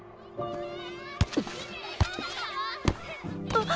あっ！